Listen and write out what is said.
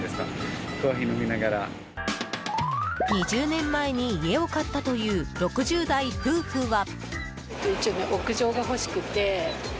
２０年前に家を買ったという６０代夫婦は。